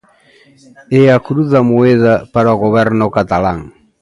É a cruz da moeda para o Goberno catalán.